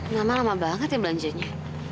lama lama banget ya belanjanya